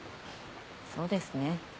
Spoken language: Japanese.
そうですね。